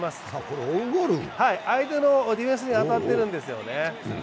相手のディフェンスに当たってるんですよね。